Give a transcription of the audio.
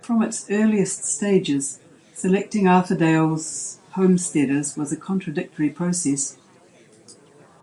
From its earliest stages, selecting Arthurdale's homesteaders was a contradictory process.